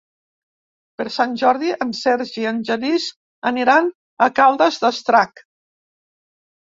Per Sant Jordi en Sergi i en Genís aniran a Caldes d'Estrac.